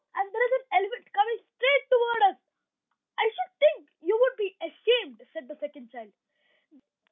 and there is an elephant coming straight toward us." "I should think you would be ashamed," said the second child.